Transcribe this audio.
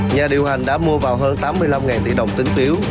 nhà điều hành đã mua vào hơn tám mươi năm tỷ đồng tính phiếu